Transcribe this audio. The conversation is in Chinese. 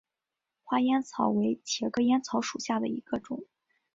花烟草为茄科烟草属下的一个种。